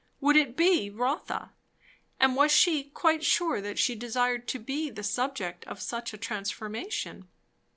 would it be Rotha? and was she quite sure that she desired to be the subject of such a transformation?